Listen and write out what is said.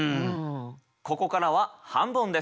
ここからは半ボンです。